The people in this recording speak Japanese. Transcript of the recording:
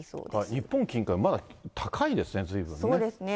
日本近海、まだ高いですね、ずいぶんね。